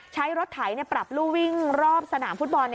ใช้รถไถปรับรูวิ่งรอบสนามฟุตบอล